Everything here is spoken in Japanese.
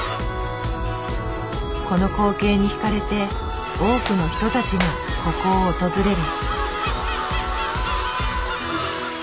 この光景に惹かれて多くの人たちがここを訪れる。